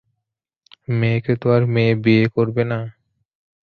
মেয়েকে তো আর মেয়ে বে করবে না।